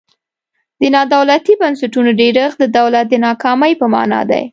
د نا دولتي بنسټونو ډیرښت د دولت د ناکامۍ په مانا دی.